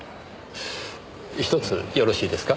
ひとつよろしいですか？